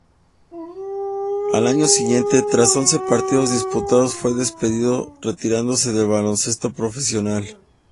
Al año siguiente, tras once partidos disputados, fue despedido, retirándose del baloncesto profesional.